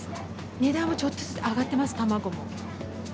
値段もちょっとずつ上がってます、卵も。